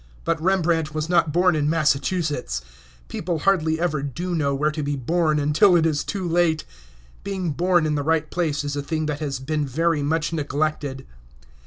But Rembrandt was not born in Massachusetts; people hardly ever do know where to be born until it is too late. Being born in the right place is a thing that has been very much neglected.